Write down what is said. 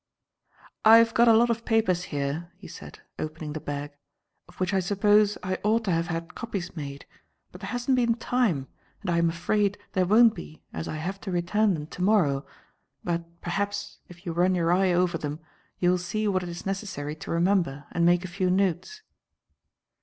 "I have got a lot of papers here," he said, opening the bag, "of which I suppose I ought to have had copies made; but there hasn't been time and I am afraid there won't be, as I have to return them to morrow. But perhaps, if you run your eye over them, you will see what it is necessary to remember and make a few notes."